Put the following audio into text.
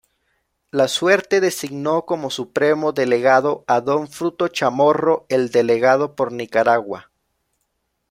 La suerte designó como Supremo Delegado a don Fruto Chamorro, el delegado por Nicaragua.